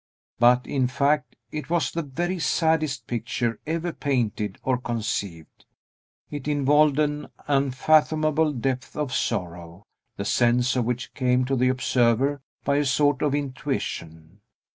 But, in fact, it was the very saddest picture ever painted or conceived; it involved an unfathomable depth of sorrow, the sense of which came to the observer by a sort of intuition.